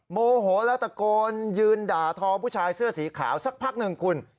โมโหแล้วตะโกนยืนด่าทอผู้ชายเสื้อสีขาวสักพักหนึ่งคุณ